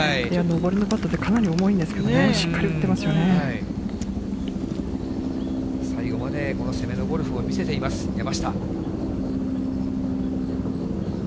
上りのパットって、かなり重いんですけどね、しっかり打って最後まで、この攻めのゴルフを見せています、山下。